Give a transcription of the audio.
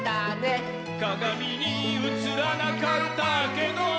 「かがみにうつらなかったけど」